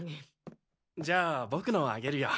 じゃあ僕のをあげるよ。